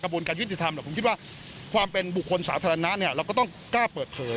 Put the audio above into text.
ผมคิดว่าความเป็นบุคคลสาธารณะเนี่ยเราก็ต้องกล้าเปิดเผย